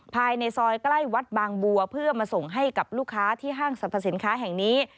ภายในซอยใกล้วัดบางบัวเพื่อมาส่งให้กับลูกค้าที่ห้างสรรพสินค้าแห่งนี้